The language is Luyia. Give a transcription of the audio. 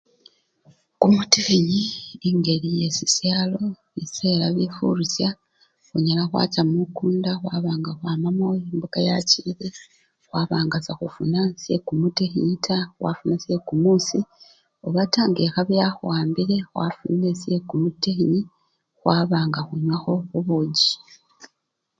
Kumutikhinyi engeli yesishalo, bisela bifurisya khunyala khwacha mukunda khwaba nga kwamamo embuka yachile khwaba nga sekhufuna syekumutikhinyi taa khwafuna syekumusi obataa ngekhabi yakhuwambile khwafunile syekumutikhinyi, khwba nga khunywakho bubujji.